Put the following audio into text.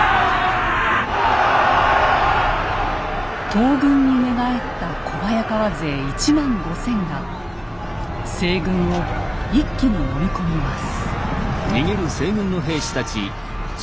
東軍に寝返った小早川勢１万５，０００が西軍を一気にのみ込みます。